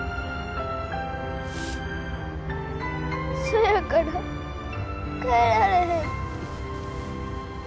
そやから帰られへん。